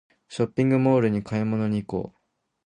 ショッピングモールに買い物に行こう